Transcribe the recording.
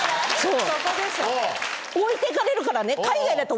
置いて行かれるからね。